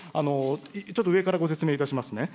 ちょっと上からご説明いたしますね。